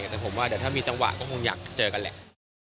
แต่ผมว่าเดี๋ยวถ้ามีจังหวะก็คงอยากเจอกันแหละ